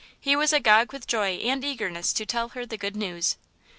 He was agog with joy and eagerness to tell her the good news.